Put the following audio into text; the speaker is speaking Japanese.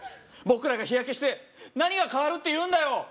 僕らが日焼けして何が変わるっていうんだよ